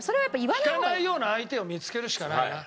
引かないような相手を見つけるしかないな。